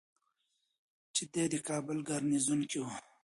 چې دی د کابل ګارنیزیون کې ؤ